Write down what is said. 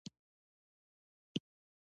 همدلته ټیکسي موټر ولاړ دي.